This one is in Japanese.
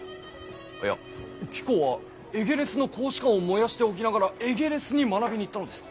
いや貴公はエゲレスの公使館を燃やしておきながらエゲレスに学びに行ったのですか？